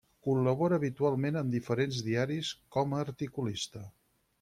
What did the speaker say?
Col·labora habitualment amb diferents diaris com a articulista.